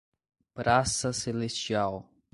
Praça celestial